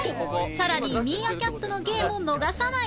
さらにミーアキャットの芸も逃さない